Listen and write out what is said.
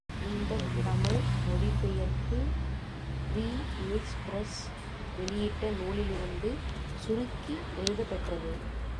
இந்தத் தமிழ் மொழிபெயர்ப்பு ப்ரீ ஏஜ் பிரஸ் வெளியிட்ட நூலிலிருந்து சுருக்கி எழுதப் பெற்றது.